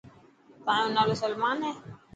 تايون نالو سلمان هي.